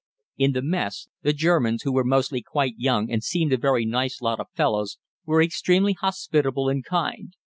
In the mess, the Germans, who were mostly quite young and seemed a very nice lot of fellows, were extremely hospitable and kind.